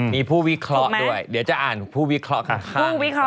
มีผู้วิเคราะห์ด้วยเดี๋ยวจะอ่านผู้วิเคราะห์ข้าง